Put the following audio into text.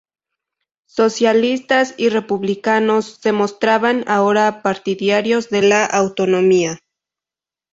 Socialistas y republicanos se mostraban ahora partidarios de la autonomía.